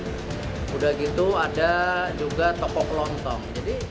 sudah gitu ada juga tokok lontong